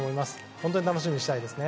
本当に楽しみにしたいですね。